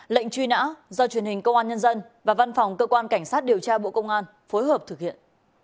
lệnh truy nã do truyền hình công an nhân dân và văn phòng cơ quan cảnh sát điều tra bộ công an phối hợp thực hiện